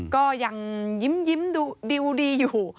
ก็ยังยิ้มดูดิวดีอยู่